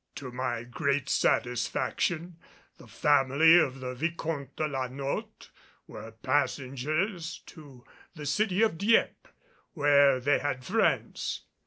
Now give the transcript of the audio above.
To my great satisfaction the family of the Vicomte de la Notte were passengers to the city of Dieppe, where they had friends.